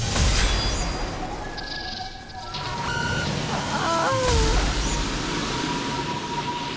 ああ！